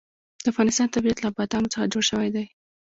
د افغانستان طبیعت له بادامو څخه جوړ شوی دی.